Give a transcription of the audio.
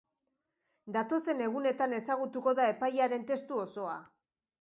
Datozen egunetan ezagutuko da epaiaren testu osoa.